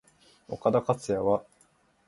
岡田克也は？